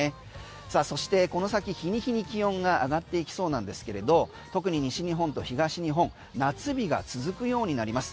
さあそしてこの先、日に日に気温が上がっていきそうなんですけれど特に西日本と東日本夏日が続くようになります。